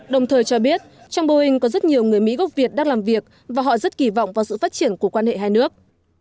đồng thời cho biết trong boeing có rất nhiều người mỹ gốc việt đang làm việc và họ rất kỳ vọng vào sự phát triển của quan hệ hai nước